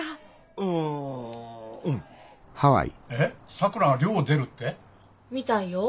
さくらが寮を出るって？みたいよ。